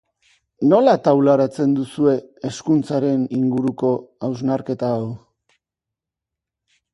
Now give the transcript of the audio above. Nola taularatzen duzue hezkuntzaren inguruko hausnarketa hau?